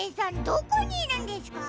どこにいるんですか？